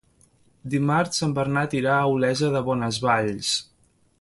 Dimarts en Bernat irà a Olesa de Bonesvalls.